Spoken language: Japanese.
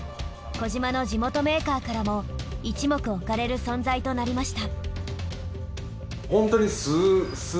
児島の地元メーカーからも一目置かれる存在となりました。